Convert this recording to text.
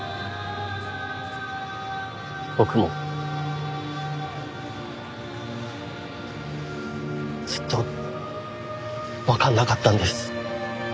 僕もずっとわかんなかったんです。